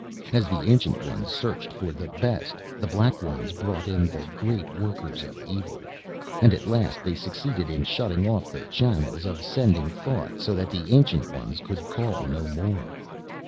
As the Ancient Ones searched for the best, the Black Ones brought in great workers of evil. And, at last, they succeeded in shutting off the channels of sending thought so that the Ancient Ones could call no more.